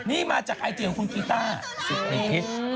นี่มาจากไอ้เจียงของกีต้าศิษย์ไม่คิด